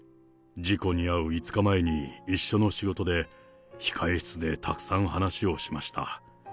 事故に遭う５日前に一緒の仕事で、控え室でたくさん話をしました。